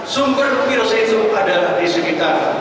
sumber virus itu ada di sekitar